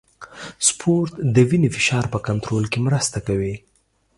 سپورت د وینې فشار په کنټرول کې مرسته کوي.